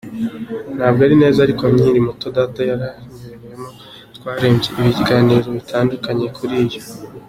Ntabwo ari neza ariko nkiri muto Data yayanyuriyemo, twarebye ibiganiro bitandukanye kuri yo.